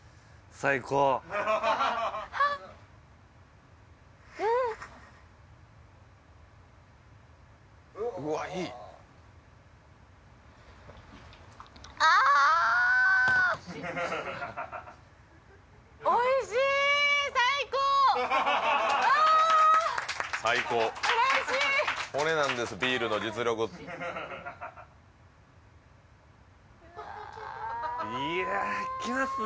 最高うわいやいきますね